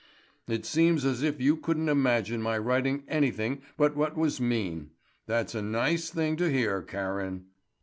"It seems as if you couldn't imagine my writing anything but what was mean. That's a nice thing to hear, Karen."